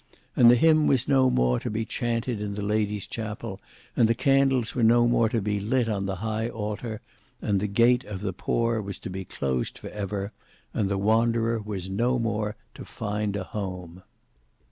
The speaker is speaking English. And the hymn was no more to be chaunted in the Lady's chapel; and the candles were no more to be lit on the high altar; and the gate of the poor was to be closed for ever; and the wanderer was no more to find a home.